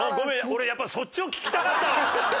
俺やっぱそっちを聞きたかったわ。